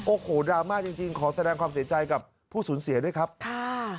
โอ้โหดราม่าจริงจริงขอแสดงความเสียใจกับผู้สูญเสียด้วยครับค่ะ